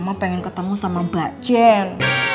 mama pengen ketemu sama mbak jen